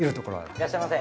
いらっしゃいませ。